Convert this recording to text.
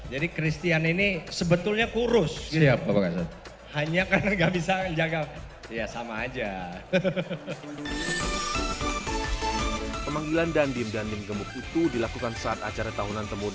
jadi christian ini sebetulnya kurus